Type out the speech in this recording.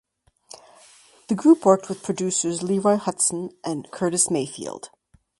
The group worked with producers Leroy Hutson and Curtis Mayfield.